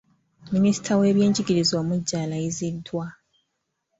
Minisita w’ebyenjigiriza omuggya alayiziddwa.